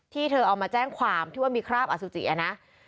เธอเอามาแจ้งความที่ว่ามีคราบอสุจินะ